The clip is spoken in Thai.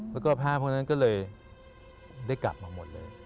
แล้วก็พระพวกนั้นก็เลยได้กลับมาหมดเลย